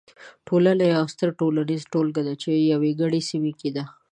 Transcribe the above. ټولنه یوه ستره ټولنیزه ټولګه ده چې په یوې ګډې سیمې کې ده.